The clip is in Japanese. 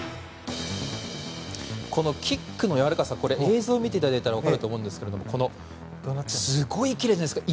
このキックのやわらかさ映像を見ていただいたら分かると思いますがすごいきれいじゃないですか。